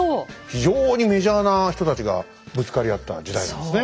非常にメジャーな人たちがぶつかり合った時代なんですね。